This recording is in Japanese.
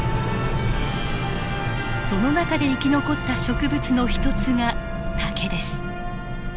その中で生き残った植物の一つが竹です。